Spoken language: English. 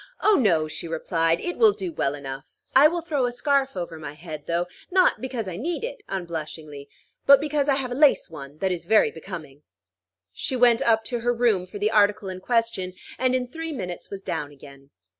"Oh, no!" she replied: "it will do well enough. I will throw a scarf over my head, though; not because I need it," unblushingly, "but because I have a lace one that is very becoming." She went up to her room for the article in question, and in three minutes was down again.